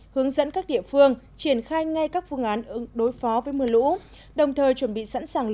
hướng dẫn các địa phương triển khai ngay các phương án đối phó với mưa lũ đồng thời chuẩn bị sẵn sàng